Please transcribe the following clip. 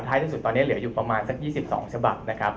ท้ายที่สุดเหลือจะอยู่ประมาณ๒๒ฉบับนะครับ